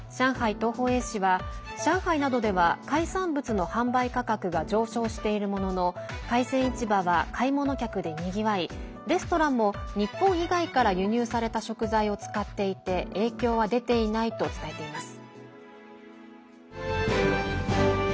東方衛視は上海などでは海産物の販売価格が上昇しているものの海鮮市場は買い物客でにぎわいレストランも日本以外から輸入された食材を使っていて影響は出ていないと伝えています。